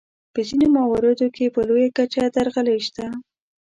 په ځینو مواردو کې په لویه کچه درغلۍ شته.